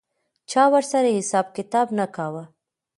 چا ورسره حساب کتاب نه کاوه.